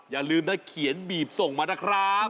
อย่าลืมนะเขียนบีบส่งมานะครับ